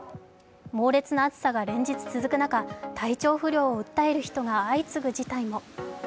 猛烈な暑さが連日続く中、体調不良を訴える人が相次ぐ事態も。